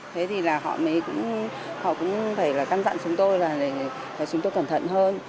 thế thì họ cũng phải tăng dặn chúng tôi là để chúng tôi cẩn thận hơn